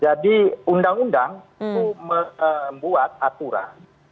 jadi undang undang itu membuat aturan